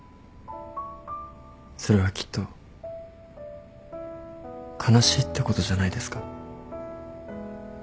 それはきっと悲しいってことじゃないですか？